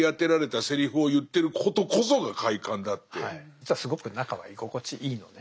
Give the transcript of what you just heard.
実はすごく中は居心地いいのね。